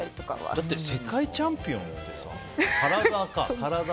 だって世界チャンピオンってさ。